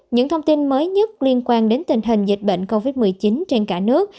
những thông tin mới nhất liên quan đến tình hình dịch bệnh covid một mươi chín trên cả nước